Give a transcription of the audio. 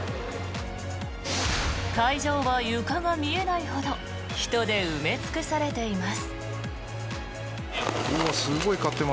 会場は床が見えないほど人で埋め尽くされています。